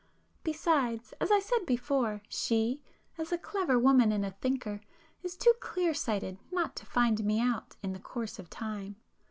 Besides, as I said before, she, as a clever woman and a thinker, is too clear sighted not to find me out in the course of time.